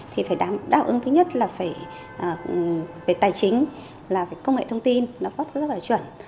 thì phải đáp ứng thứ nhất là về tài chính công nghệ thông tin nó phát rất là chuẩn